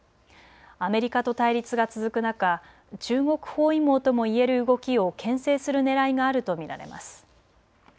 アメリカと対立が続く中、中国包囲網ともいえる動きをけん制するねらいがあると見られます。